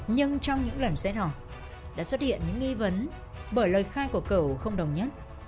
nhưng trong những lần xét hỏi đã xuất hiện những nghi vấn bởi lời khai của cầu không đồng nhất